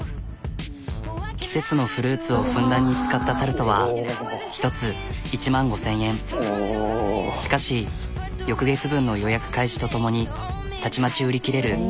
季節のフルーツをふんだんに使ったタルトはしかし翌月分の予約開始とともにたちまち売り切れる。